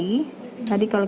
tadi kalau kita lihat lagi